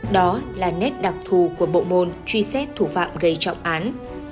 đó là nét đặc thù của bộ môn truy xét thủ phạm gây trọng án